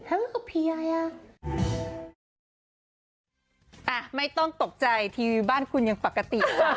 อ่าไม่ต้องตกใจทีวีบ้านคุณยังปกติ